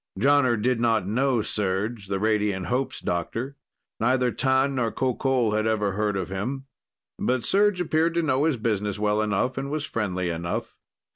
Jonner did not know Serj, the Radiant Hope's doctor. Neither T'an nor Qoqol ever had heard of him. But Serj appeared to know his business well enough, and was friendly enough.